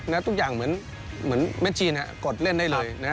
แล้วทุกอย่างเหมือนแมทจีนกดเล่นได้เลยนะฮะ